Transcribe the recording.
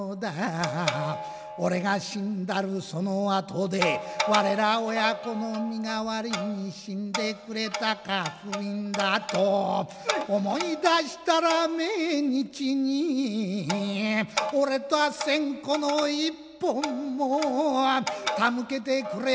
俺が死んだるその後で我ら親子の身替りに死んでくれたかふびんだと思い出したら命日に折れた線香の一本もたむけてくれよ